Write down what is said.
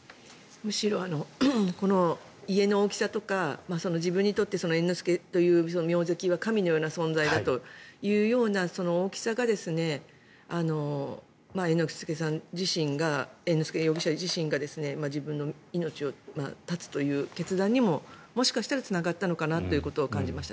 むしろこの家の大きさとか自分にとって猿之助という名跡が神のような存在だというような大きさが猿之助容疑者自身が自分の命を絶つという決断にももしかしたらつながったのかなということは感じました。